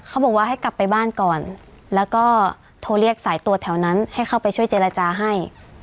เขาบอกว่าให้กลับไปบ้านก่อนแล้วก็โทรเรียกสายตรวจแถวนั้นให้เข้าไปช่วยเจรจาให้